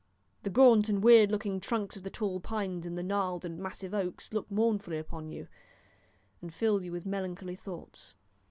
The gaunt and weird looking trunks of the tall pines and the gnarled and massive oaks look mournfully upon you, and fill you with melancholy thoughts.